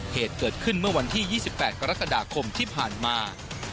เหตุเกิดขึ้นเมื่อวันที่๒๘กรกฎาคมที่ผ่านมา